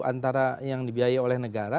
antara yang dibiayai oleh negara